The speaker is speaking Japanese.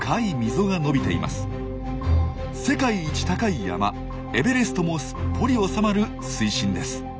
世界一高い山エベレストもすっぽり収まる水深です。